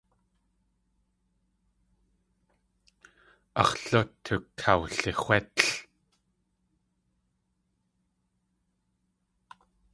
Ax̲ lú tukawlixwétl.